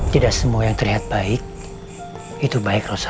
tidak semua yang terlihat baik itu baik rosa